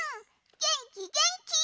げんきげんき。